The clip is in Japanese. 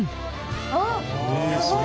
あっすごい。